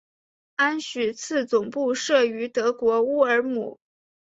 安许茨总部设于德国乌尔姆。